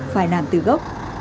phải nằm từ gốc